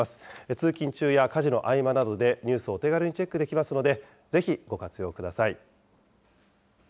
通勤中や家事の合間などでニュースをお手軽にチェックできますので、ぜひご活用ください。